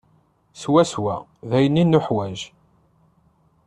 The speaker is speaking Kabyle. Swaswa d ayen i nuḥwaǧ.